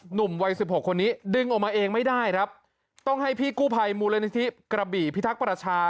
หนุ่มวัยสิบหกคนนี้ดึงออกมาเองไม่ได้ครับต้องให้พี่กู้ภัยมูลนิธิกระบี่พิทักษ์ประชา